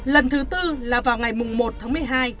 lần thứ tư là vào ngày một tháng một mươi hai